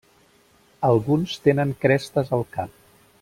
Alguns tenen crestes al cap.